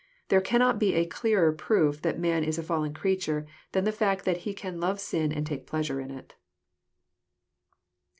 There cannot be a clearer proof that man is a fallen creature than the fact that he can love sin and take pleasure in it.